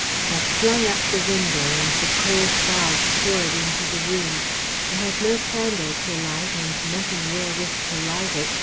I flung up the window and the cold fog poured into the room. I had no candle to light and nothing wherewith to light it.